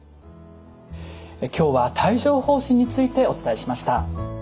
今日は帯状ほう疹についてお伝えしました。